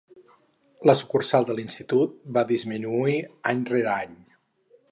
La sucursal de l'Institut va disminuir any rere any.